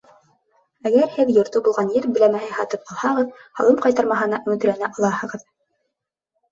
Әгәр һеҙ йорто булған ер биләмәһе һатып алһағыҙ, һалым ҡайтармаһына өмөтләнә алаһығыҙ.